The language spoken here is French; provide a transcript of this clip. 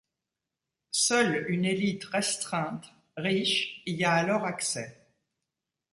Seule une élite restreinte, riche, y a alors accès.